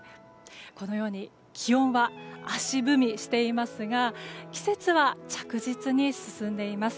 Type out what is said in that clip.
このように気温は足踏みしていますが季節は着実に進んでいます。